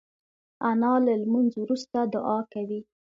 انا له لمونځ وروسته دعا کوي